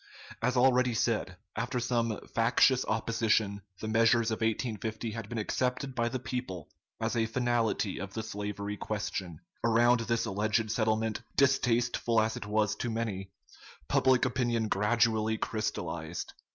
As already said, after some factious opposition the measures of 1850 had been accepted by the people as a finality of the slavery question. Around this alleged settlement, distasteful as it was to many, public opinion gradually crystallized.